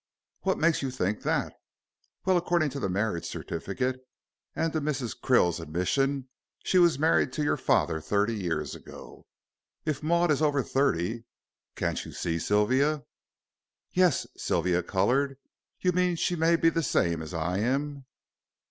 "What makes you think that?" "Well. According to the marriage certificate, and to Mrs. Krill's admission, she was married to your father thirty years ago. If Maud is over thirty can't you see, Sylvia?" "Yes." Sylvia colored. "You mean she may be the same as I am?"